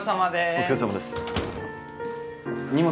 お疲れさまです荷物